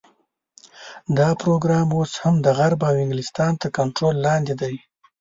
دا پروګرام اوس هم د غرب او انګلستان تر کنټرول لاندې دی.